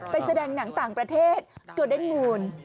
ไปแสดงหนังต่างประเทศเกอร์เดนต์มูน